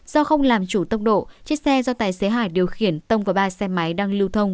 do không làm chủ tốc độ chiếc xe do tài xế hải điều khiển tông vào ba xe máy đang lưu thông